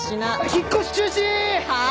引っ越し中止！はあ！？